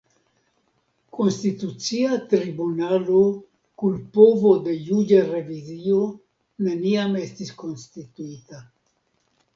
Konstitucia Tribunalo kun povo de juĝa revizio neniam estis konstituita.